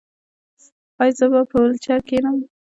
ایا زه به په ویلچیر کینم؟